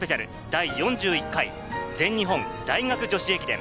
第４１回全日本大学女子駅伝。